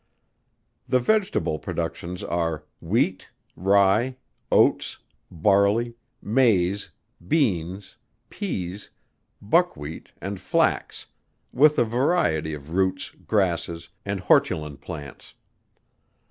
The vegetable productions are, Wheat, Rye, Oats, Barley, Maize, Beans, Peas, Buckwheat and Flax, with a variety of Roots, Grasses, and Hortulan Plants.